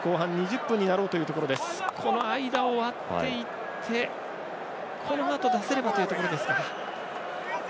間を割っていってこのあと出せればというところですか。